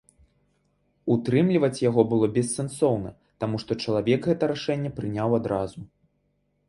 Утрымліваць яго было бессэнсоўна, таму што чалавек гэта рашэнне прыняў адразу.